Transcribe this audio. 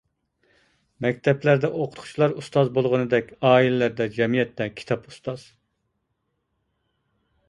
مەكتەپلەردە ئوقۇتقۇچىلار ئۇستاز بولغىنىدەك، ئائىلىلەردە، جەمئىيەتتە كىتاب ئۇستاز.